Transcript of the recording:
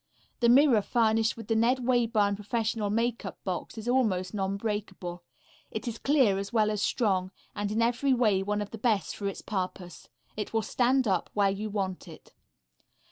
The mirror furnished with the Ned Wayburn professional makeup box is almost non breakable; it is clear as well as strong, and in every way one of the best for its purpose. It will stand up where you want it.